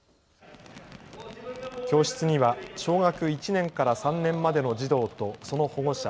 教室には小学１年から３年までの児童とその保護者